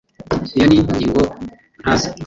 Iyo ni ingingo ntazi.